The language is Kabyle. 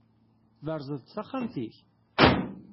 Tberzeḍ-d taxxamt-ik?